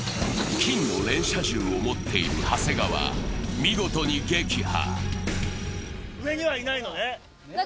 金の連射銃を持っている長谷川、見事に撃破。